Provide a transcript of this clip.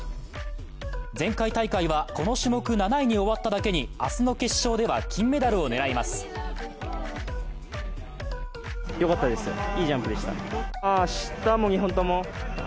前回大会、この種目７位に終わっただけに明日の決勝では金メダルを狙います。